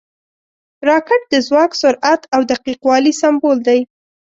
راکټ د ځواک، سرعت او دقیق والي سمبول دی